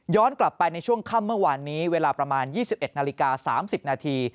กลับไปในช่วงค่ำเมื่อวานนี้เวลาประมาณ๒๑นาฬิกา๓๐นาที